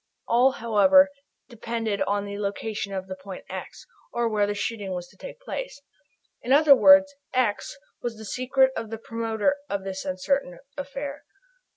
All, however, depended upon the location of the point "x," or where the shooting was to take place. In other words, "x" was the secret of the promoter of this uncertain affair.